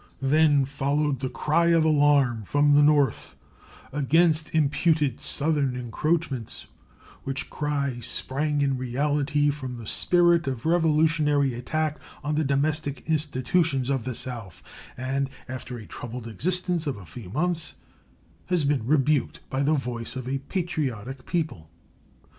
Then followed the cry of alarm from the North against imputed Southern encroachments, which cry sprang in reality from the spirit of revolutionary attack on the domestic institutions of the South, and, after a troubled existence of a few months, has been rebuked by the voice of a patriotic people.